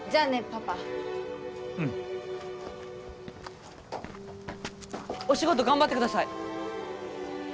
パパうんお仕事頑張ってください